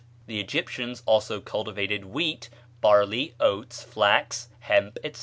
The Egyptians also cultivated wheat, barley, oats, flax, hemp, etc.